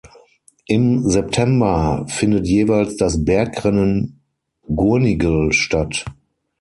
Im September findet jeweils das Bergrennen Gurnigel statt.